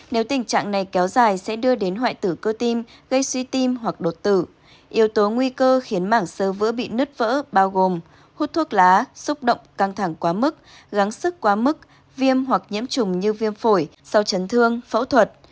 nếu tình trạng này kéo dài sẽ đưa đến hoại tử cơ tim gây suy tim hoặc đột tử yếu tố nguy cơ khiến mảng sơ vữa bị nứt vỡ bao gồm hút thuốc lá xúc động căng thẳng quá mức gắn sức quá mức viêm hoặc nhiễm trùng như viêm phổi sau chấn thương phẫu thuật